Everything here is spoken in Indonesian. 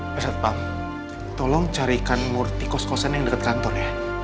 pak satpam tolong carikan murti kos kosan yang deket kantor ya